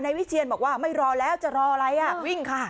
วิเชียนบอกว่าไม่รอแล้วจะรออะไรอ่ะวิ่งค่ะ